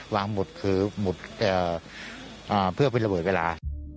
วางหมุดคือหมุดเพื่อเป็นระเบิดเวลา